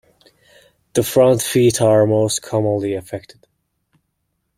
The front feet are most commonly affected.